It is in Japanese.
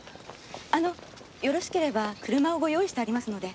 あのよろしければ車をご用意してありますので。